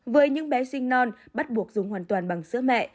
với những bé sinh non bắt buộc dùng hoàn toàn bằng sữa mẹ